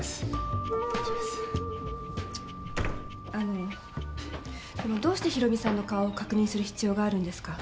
あのどうして博美さんの顔を確認する必要があるんですか？